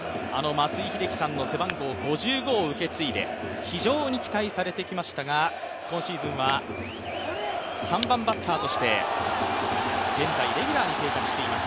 松井秀喜さんの背番号５５を受け継いで非常に期待されてきましたが今シーズンは３番バッターとして、現在レギュラーに定着しています。